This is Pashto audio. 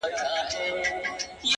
د لاسونو په پياله کې اوښکي راوړې”